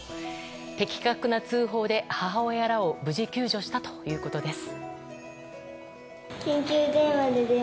的確な通報で、母親らを無事救助したということです。